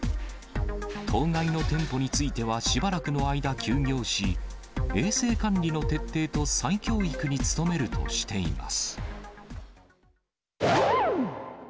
当該の店舗については、しばらくの間休業し、衛生管理の徹底と再教育に努めるとしています。